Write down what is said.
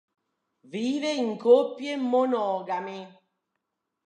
Vive in coppie monogame.